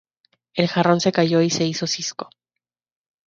El jarrón se cayó y se hizo cisco